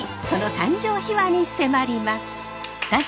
その誕生秘話に迫ります！